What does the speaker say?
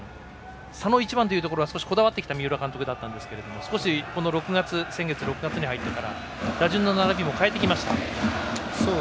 佐野、１番というところはこだわってきた三浦監督ですが少し、先月６月に入ってから打順の並びも変えてきました。